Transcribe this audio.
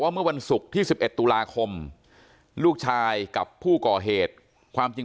เมื่อวันศุกร์ที่๑๑ตุลาคมลูกชายกับผู้ก่อเหตุความจริง